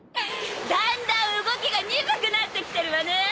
だんだん動きが鈍くなってきてるわね！